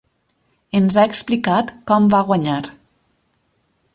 Ens ha explicat com va guanyar.